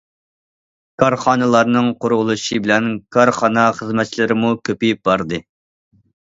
كارخانىلارنىڭ قۇرۇلۇشى بىلەن كارخانا خىزمەتچىلىرىمۇ كۆپىيىپ باردى.